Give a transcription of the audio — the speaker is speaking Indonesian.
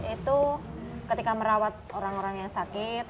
itu ketika merawat orang orang yang sakit